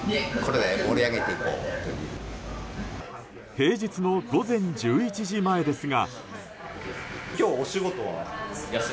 平日の午前１１時前ですが。